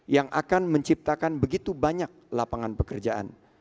yang akan menciptakan begitu banyak lapangan pekerjaan